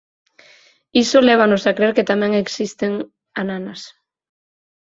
Iso lévanos a crer que tamén existen ananas.